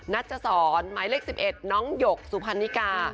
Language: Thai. นัดจะสอนหมายเลข๑๑ยกทุกสุพรรณิกา